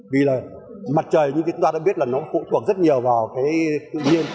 vì là mặt trời như chúng ta đã biết là nó phụ thuộc rất nhiều vào cái tự nhiên